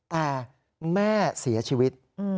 แต่แม่เสียชีวิต